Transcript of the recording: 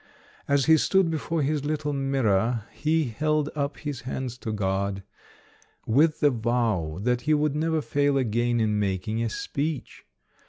As he stood before his little mirror, he held up his hands to God, with the vow that he would never fail again in making a speech.